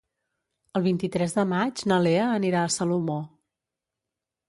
El vint-i-tres de maig na Lea anirà a Salomó.